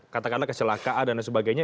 katakanlah kecelakaan dan sebagainya